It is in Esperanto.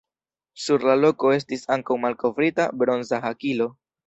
Sur la loko estis ankaŭ malkovrita bronza hakilo.